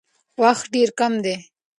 وخت ډېر کم دی.